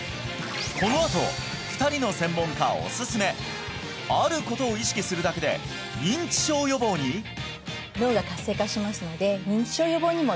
このあと２人の専門家おすすめあることを意識するだけで認知症予防に！？と期待しています